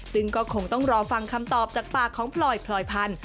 ซึ่งก็คงต้องรอฟังคำตอบจากปากของพลอยพลอยพันธุ